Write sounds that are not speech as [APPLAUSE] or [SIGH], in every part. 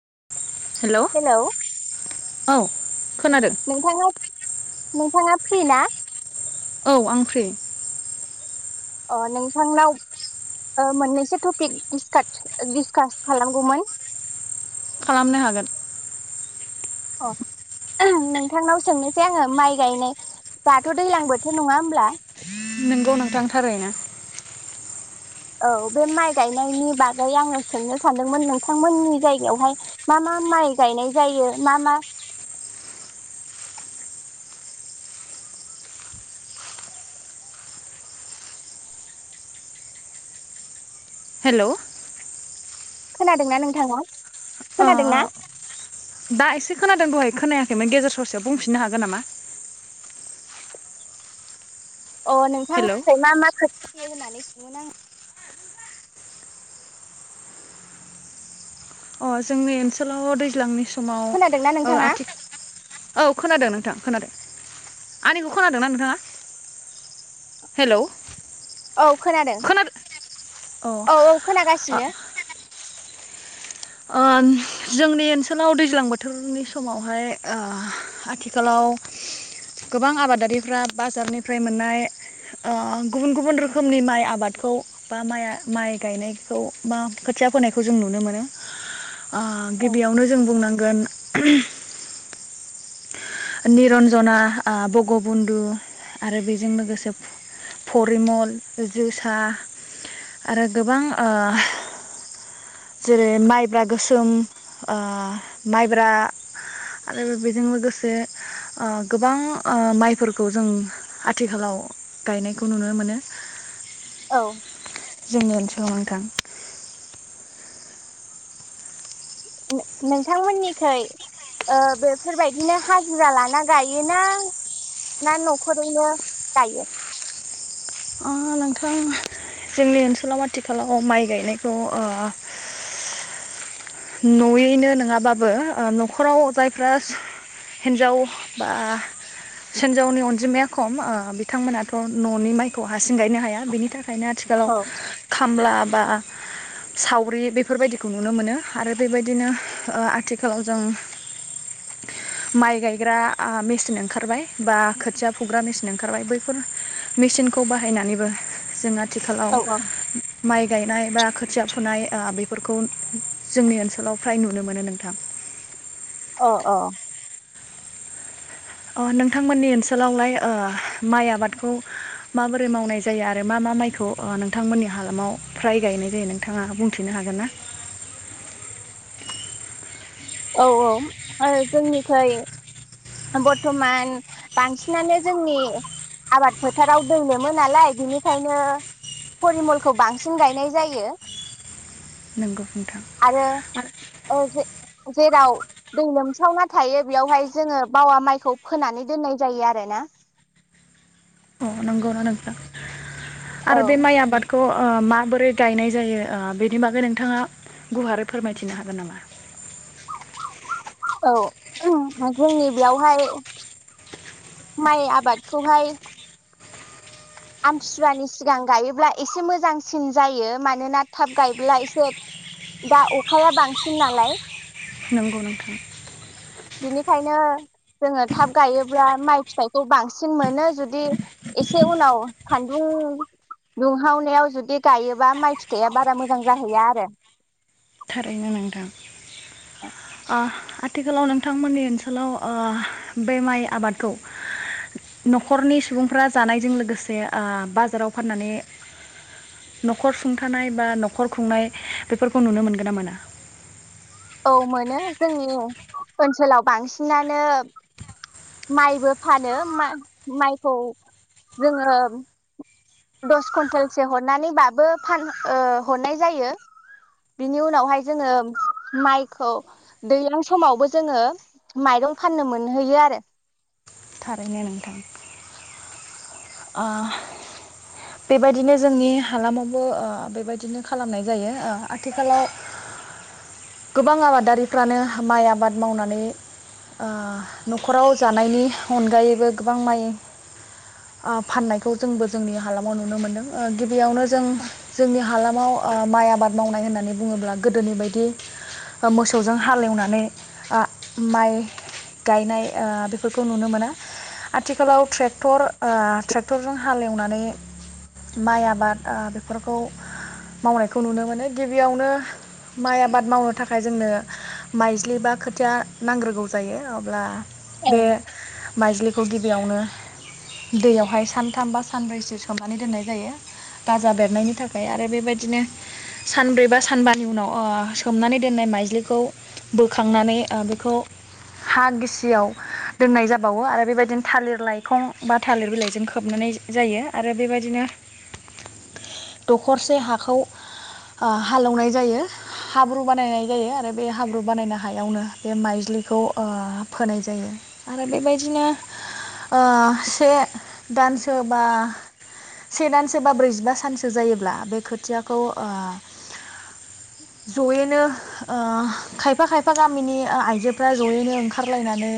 [INAUDIBLE] [INAUDIBLE] औ खोनादों नोंथाङा नोंथाङा फ्रि ना औ आं फ्रि अ नोंथांनाव ओ मोननैसो टपिक डिसकाट डिसकास खालामगौमोन खालामनो हागोन अ नोंथांनाव सोंनोसै आङो माइ गायनाय दाथ' दैज्लां बोथोर नङा होमब्ला नोंगौ नोंथां थारैनो औ बे माइ गायनायनि बागै आङो सोंनो सानदोंमोन नोंथांमोननि जायगायावहाय मा मा माइ गायनाय जायो मा मा हेलौ खोनादोंना नोंथाङा ओ खोनादोंना दा एसे खोनादों दहाय खोनायाखैमोन गेजेर ससेयाव बुंफिननो हागोन नामा अ हेलौ नोंथांनिफ्राय अ मा मा खो होनानै सोमोन आङो अ जोंनि ओनसोलाव दैज्लांनि समाव खोनादोंना ओ नोंथाङा आथिखाल [INAUDIBLE] औ खोनादों औ औ खोनागासिनो ओ जोंनि ओनसोलाव दैज्लां बोथोरनि समावहाय ओ आथिखालाव गोबां आबादारिफ्रा बाजारनिफ्राय मोननाय ओ गुबुन गुबुन रोखोमनि माइ आबादखौ बा माइ माइ गायनायखौ बा खोथिया फोनायखौ जों नुनो मोनो औ गिबियावनो जों बुंनांगोन [UNINTELLIGIBLE] निरन्जना ओ बगबन्धु आरो बेजों लोगोसे फरिमल जोसा आरो गोबां ओ जेरै माइब्रा गोसोम ओ माइब्रा आरो बेजों लोगोसे ओ गोबां ओ माइफोरखौ जों आथिखालाव गायनायखौ नुनो मोनो [UNINTELLIGIBLE] जोंनि ओनसोलाव नोंथां नोंथांमोननिखै ओ बेफोरबायदिनो हाजिरा लाना गायो ना ना न'खरावनो गायो ओ नोंथां जोंनि ओनसोलाव आथिखालाव माइ गायनायखौ ओ न'यैनो नङाबाबो न'खराव जायफ्रा हिन्जाव बा हेनन्जावनि अनजिमाया खम बिथांमोनाथ' न'नि माइखौ हारसिं गायनो हाया बिनि थाखाय ओंखायनो आथिखालाव औ खामला बा सावरि बेफोरबायदिखौ नुनो मोनो आरो बेबायदिनो आथिखालाव जों माइ गायग्रा मेचिन ओंखारबाय बा खोथिया फुग्रा मेसिन ओंखारबाय बैफोर मेचिनखौ बाहायनानैबो जोङो आथिखालाव औ अ माइ गायनाय बा खोथिया फुनाय बेफोरखौ जोंनि ओनसोलाव फ्राय नुनो मोनो नोंथां अ औ नोंथांमोननि ओनसोलावलाय माइ आबादखौ माबोरै मावनाय जायो आरो मा मा माइखौ नोंथांमोननि हालामाव फ्राय गायनाय जायो नोंथाङा बुंथिनो हागोन ना औ औ आरो जोंनिखै बर्थमान बांसिनानो जोंनि आबाद फोथाराव दोनोमोन नालाय बिनिखायनो फरिमलखौ बांसिन गायनाय जायो नोंगौ नोंथां आरो ओ जे जेराव दै लोमसावना थायो बेयावहाय जोङो बावा माइखौ फोनानै दोननाय जायो आरो ना अ नंगौ ना नोंथां औ आरो बे माइ आबाद खौ माबोरै गायनाय जायो बेनि बागै नोंथाङा गुवारै फोरमायथिनो हागोन नामा औ जोंनि बेयावहाय माइ आबादखौहाय आमथिुवानि सिगां गायोब्ला एसे मोजांसिन जायो मानोना थाब गायोब्ला एसे दा अखाया बांसिन नालाय नंगौ नोंथां बिनिखायनो जोङो थाब गायोब्ला माइ फिथाइखौ बांसिन मोनो जुदि एसे उनाव सान्दुं दुंहावनायाव जुदि गायोबा माइ फिथाइया बारा मोजां जाहैया आरो थारैनो नोंथां आथिखालाव नोंथांमोननि ओनसोलाव बे माइ आबादखौ न'खरनि सुबुंफ्रा जानायजों लोगोसे बाजाराव फाननानै न'खर सुंथानाय बा न'खर खुंनाय बेफोरखौ नुनो मोनगोन ना मोना औ मोनो जोंनि ओनसोलाव बांसिनानो माइबो फानो माइखौ जोङो दस कुन्टेलसे हरनानै बाबो फान हरनाय जायो बिनि उनावहाय जोङो माइखौ दैज्लां समावबो जोङो माइरं फाननो मोनहैयो आरो थारैनो नोंथां बेबायदिनो जोंनि हालामावबो बेबायदिनो खालामनाय जायो आथिखालाव गोबां आबादारिफ्रानो माइ आबाद मावनानै न'खराव जानायनि अनगायैबो गोबां माइ फाननायखौ जोंबो जोंनि हालामाव नुनो मोनदों गिबियावनो जों जोंनि हालामाव माइ आबाद मावनाय होननानै बुङोब्ला गोदोनि बायदि मोसौजों हालेवनानै माइ गायनाय बेफोरखौ नुनो मोना आथिखालाव ट्रेक्टर ट्रेक्टरजों हालेवनानै माइ आबाद बेफोरखौ मावनायखौ नुनो मोनो गिबियावनो माइ आबाद मावनो थाखाय जोंनो माइज्लि बा खोथिया नांग्रोगौ जायो अब्ला ए बे माइज्लि खौ गिबियावनो दैयावहाय सानथाम बा सानब्रैसो सोमनानै दोननाय जायो गाजा बेरनायनि थाखाय आरो बेबायदिनो सानब्रै बा सानबानि उनाव सोमनानै दोननाय माइज्लिखौ बोखांनानै बेखौ हा गिसियाव दोननाय जाबावो आरो बेबायदिनो थालिर लाइखं बा थालिर बिलाइजों खोबनाय जायो आरो बेबायदिनो दखरसे हाखौ हालौनाय जायो हाब्रु बानायनाय जायो आरो बे हाब्रु बानायनाय हायावनो बे माइजलिखौ फोनाय जायो आरो बेबायदिनो से दानसो बा से दानसो बा ब्रैजिबा सानसो जायोब्ला बे खोथियाखौ जयैनो खायफा खायफा गामिनि आइजोफ्रा जयैनो ओंखारलायनानै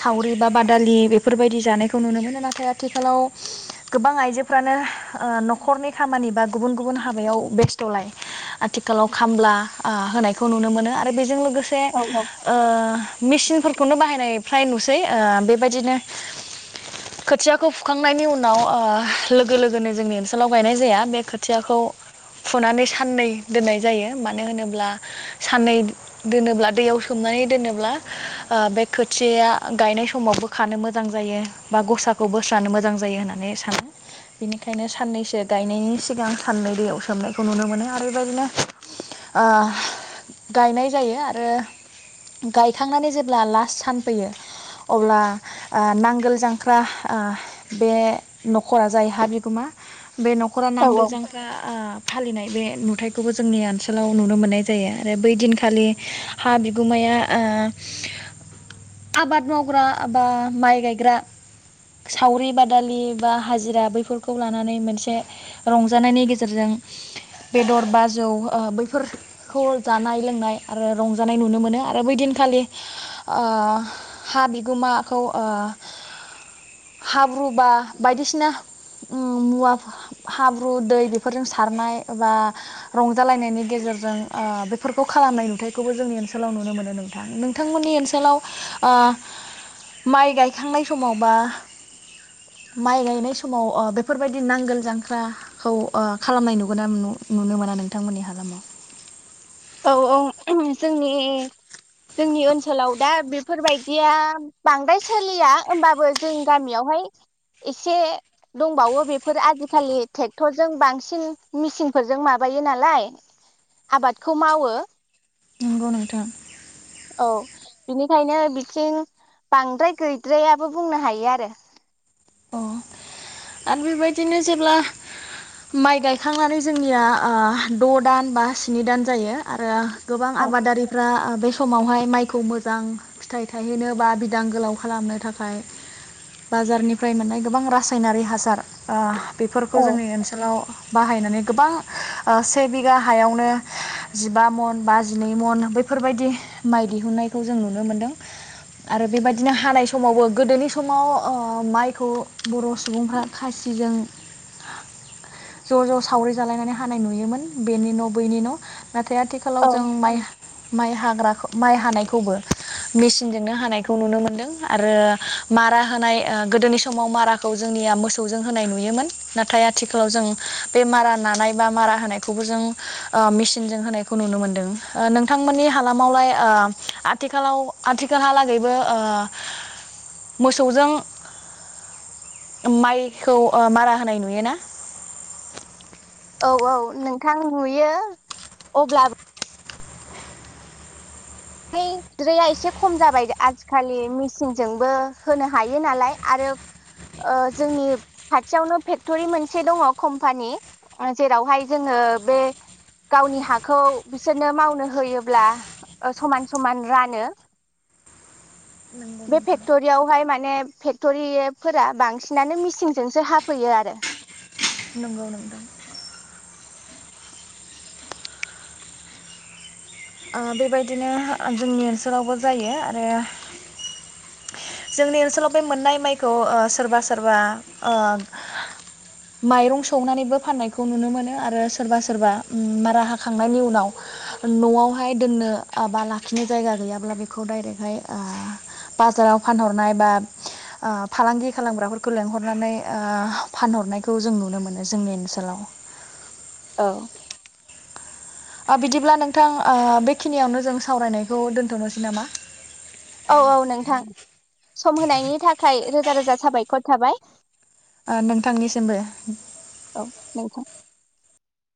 सावरि बा बादालि बेफोरबायदि जानायखौ खौ नुनो मोनो नाथाय आथिखालाव गोबां आइजोफ्रानो न'खरनि खामानि बा गुबुन गुबुन हाबायाव बेस्थ'लाय आथिखालाव खामला होनायखौ नुनो मोनो दा बेजों लोगोसे औ मेसिनफोरखौनो बाहायनाय फ्राय नुसै बेबायदिनो खोथियाखौ फुखांनायनि उनाव लोगो लोगोनो जोंनि ओनसोलाव गायनाय जाया बे खोथियाखौ फुनानै साननै दोननाय जायो मानो होनोब्ला साननै दोनोब्ला दैयाव सोमनानै दोनोब्ला बे खोथियाया गायनाय समाव बोखानो मोजां जायो बा गसाखौ बोस्रानो मोजां जायो होननानै सानो बेनिखायनो साननैसो गायनायनि सिगां साननै दैयाव सोमनायखौ नुनो मोनो आरो बेबायदिनो गायनाय जायो आरो गायखांनानै जेब्ला लास्ट सान फैयो अब्ला नांगोल जां ख्रा बे न'खरा जाय हा बिगोमा बे न'खरा औ नांगोल जांख्रा फालिनाय बे नुथायाइखौबो जोंनि ओनसोलाव नुनो मोननाय जायो आरो बै दिनखालि हा बिगुमाया आबाद मावग्रा बा माइ गायग्रा सावरि बादालि बा हाजिरा बैफोरखौ लानानै मोनसे रंजानायनि गेजेरजों बेदर बाजौ बैफोरखौ जानाय लोंनाय आरो रंजानाय नुनो मोनो आरो बै दिनखालि ओ हा बिगोमाखौ ओ हाब्रु बा बायदिसिना मुवा हाब्रु दै बेफोरजों सारनाय बा रंजालायनायनि गेजेरजों ओ बेफोरखौ खालामनाय नुथायखौबो जोंनि ओनसोलाव नुनो मोनो नोंथां। नोंथांमोननि ओनसोलाव माइ गायखांनाय समाव बा माइ गायनाय समाव बेफोरबायदि नांगोल जांख्राखौ खालामनाय नुगोना नुनो मोना नोंथांमोननि हालामाव। औ औ जोंनि जोंनि ओनसोलाव दा बेफोरबायदिया बांद्राय सोलिया होमबाबो जों गामियावहाय एसे दंबावो बेफोर आजिखालि ट्रेक्टरजों बांसिन मेचिनफोरजों माबायो नालाय आबाद खौ मावो। नंगौ नोंथां। औ बिनि ओंखायनो बिथिं बांद्राय गैद्रायाबो बुंनो हायो आरो। अ आरो बेबायदिनो जेब्ला माइ गायखांनानै जोंनिया द दान बा स्नि दान जायो आरो गोबां औ आबादारिफ्रा बे समावहाय माइखौ मोजां फिथाइ थायहैनो बा बिदां गोलाव खालामनो थाखाय बाजारनि फ्राय मोननाय गोबां रासायनारि हासार ओ बेफोरखौ औ जोंनि ओनसोलाव बाहायनानै गोबां से बिगा हायावनो जिबा मन बा जिनै मन बैफोरबायदि माइ दिहुनन्नायखौ जों नुनो मोनदों आरो बेबायदिनो हानाय समावबो गोदोनि समाव ओ माइ खौ बर' सुबुंफ्रा खासिजों ज ज सावरि जालायनानै हानाय नुयोमोन बेनि न बैनि न। नाथाय आथिखालाव औ जों माइ माइ हाग्रा माइ हानायखौबो मेसिनजोंनो हानायखौ नुनो मोनदों आरो मारा होनाय ओ गोदोनि समाव माराखौ जोंनिया मोसौजों होनाय नुयोमोन। नाथाय आथिखालाव जों बे मारा नानाय बा मारा होनायखौबो जों मेसिनजों होनायखौ नुनो मोनदों। नोंथांमोननि हालामावलाय आथिखालाव आथिखालहालागैबो ओ मोसौजों माइखौ मारा होनाय नुयोना? औ औ नोंथां नुयो। अब्ला एसे खम जाबाय आजिखालि मेसिनजोंबो होनो हायो नालाय आरो ओ जोंनि खाथियावनो फेक्टरि मोनसे दङ कम्पानि जेरावहाय जोङो बे गावनि हाखौ बिसोरनो मावनो होयोब्ला समान समान रानो नंगौ बे नोंथां फेक्टरियावहाय माने फेक्टरिफोरा बांसिनानो मिसिनजोंसो हाफैयो आरो। नंगौ नोंथां। ओ बेबायदिनो जोंनि ओनसोलावबो जायो आरो जोंनि ओनसोलाव बे मोननाय माइखौ सोरबा सोरबा ओ माइरं सौनानैबो फाननायखौ नुनो मोनो आरो सोरबा सोरबा मारा हाखांनायनि उनाव नयाव हाय दोननो बा लाखिनो जायगा गैयाब्ला बेखौ डाइरेक्टहाय ओ बाजाराव फानहरनाय बा ओ फालांगि खालामग्राफोरखौ ओ लेंहरनानै ओ फानहरनायखौ जों नुनो मोनो जोंनि ओनसोलाव। औ ओ बिदिब्ला नोंथां ओ बेखिनियावनो जों सावरायनायखौ दोन्थनोसै नामा? औ औ नोंथां। सम होनायनि थाखाय रो रोजा रोजा साबायखर थाबाय। नोंथांनिसिमबो औ नोंथां